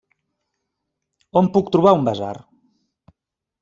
On puc trobar un basar?